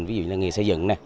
ví dụ như là nghề xây dựng này